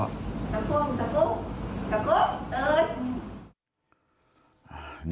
จากกุ้งจากกุ้งจากกุ้งตื่น